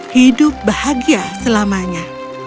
hidup bahagia selamanya